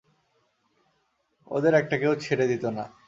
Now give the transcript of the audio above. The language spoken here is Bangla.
ওদের একটাকেও ছেড়ে দিত না।